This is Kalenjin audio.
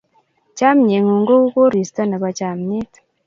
Chamnyengung kou koristo nebo chamnyet